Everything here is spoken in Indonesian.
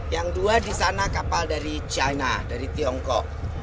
yang dua di sana kapal dari china dari tiongkok